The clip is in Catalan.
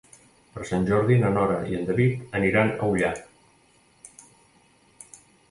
Per Sant Jordi na Nora i en David aniran a Ullà.